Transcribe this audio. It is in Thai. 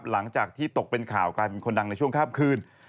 หลังจากที่ตกเป็นข่าวกลายเป็นคนดังในช่วงข้ามคืน